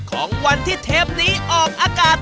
ของวันที่เทปนี้ออกอากาศ